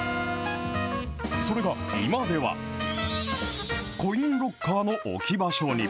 それが今では、コインロッカーの置き場所に。